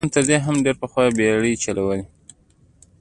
اسیایانو تر دې هم ډېر پخوا بېړۍ چلولې.